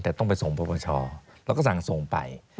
แต่ต้องไปส่งประประชาเราก็สั่งส่งไป